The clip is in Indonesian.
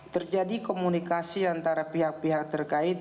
terjadi komunikasi antara pihak pihak terkait